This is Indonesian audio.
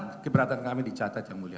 saya mohon keberatan kami dicatat yang mulia